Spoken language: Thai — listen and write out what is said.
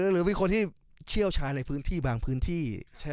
หรือมีคนที่เชี่ยวชายในพื้นที่บางพื้นที่